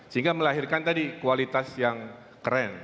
sehingga melahirkan tadi kualitas yang keren